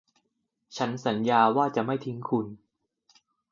ฉันสัญญาว่าจะไม่ทิ้งคุณ